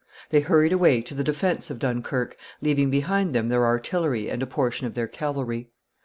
They hurried away to the defence of Dunkerque, leaving behind them their artillery and a portion of their cavalry.